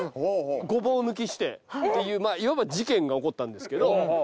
ごぼう抜きしてっていういわば事件が起こったんですけど。